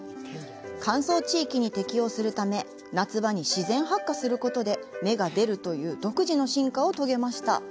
乾燥地域に適応するため夏場に自然発火することで芽が出るという独自の進化を遂げました。